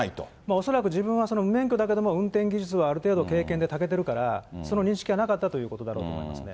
恐らく自分は無免許だけども運転技術はある程度、経験で長けてるから、その認識なかったということだろうと思いますね。